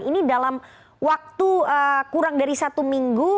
ini dalam waktu kurang dari satu minggu